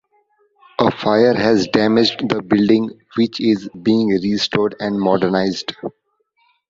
A fire has damaged the building, which is being restored and modernised.